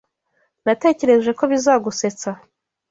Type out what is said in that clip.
Natekereje ko bizagusetsa.